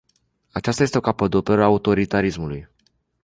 Aceasta este o capodoperă a autoritarismului.